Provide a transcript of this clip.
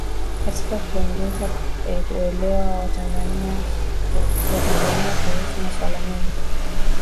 katika kuongeza uelewa wa Watanzania kuhusu masuala mengi